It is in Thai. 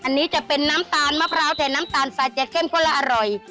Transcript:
อันนี้จะเป็นน้ำตาลมะพร้าวแต่น้ำตาลทรายจะเข้มข้นและอร่อย